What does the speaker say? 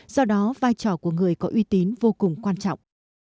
do đó vai trò của người có uy tín vô cùng quan trọng